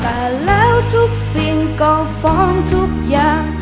แต่แล้วทุกสิ่งก็ฟ้องทุกอย่าง